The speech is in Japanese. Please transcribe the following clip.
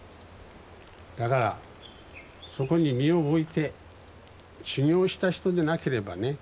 だからそこに身を置いて修行した人でなければね